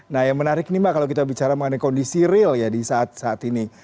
nah yang menarik nih mbak kalau kita bicara mengenai kondisi real ya di saat saat ini